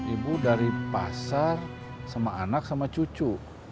ibu dari pasar sama anak sama cucu